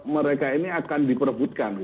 mereka ini akan diperbutkan